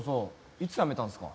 いつ辞めたんですか？